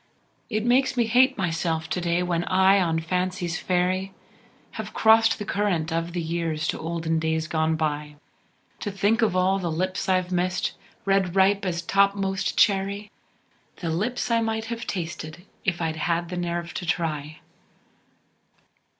It makes me hate myself to day when I on Fancy's ferry Have crossed the current of the years to olden days gone by, T' think of all the lips I've missed, ripe red as topmost cherry, The lips I might have tasted if I'd had the nerve t' try.